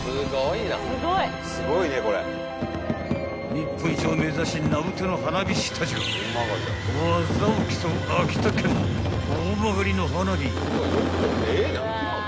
［日本一を目指し名うての花火師たちが技を競う秋田県大曲の花火］